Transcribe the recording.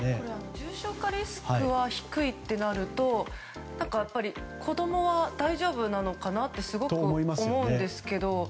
重症化リスクは低いってなると子供は大丈夫なのかなと思うんですけど。